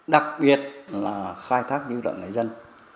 đặc biệt là khai thác dư luận người dân